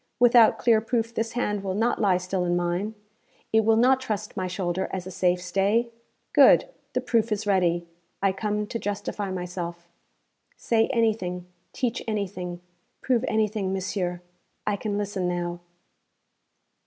Without clear proof this hand will not lie still in mine, it will not trust my shoulder as a safe stay? Good. The proof is ready. I come to justify myself.' 'Say anything, teach anything, prove anything, monsieur; I can listen now.'